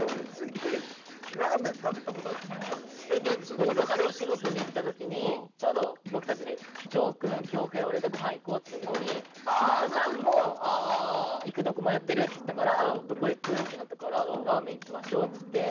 大阪でお仕事に行った時にちょうど僕たちで丈くん恭平俺でご飯行こうっつった時に嶋佐さんも行くとこ迷ってるって言ってたから「どこ行く？」ってなったからラーメン行きましょうっつって。